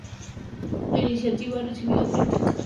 La iniciativa ha recibido críticas.